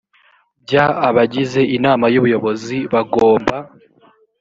bya abagize inama y ubuyobozi bagomba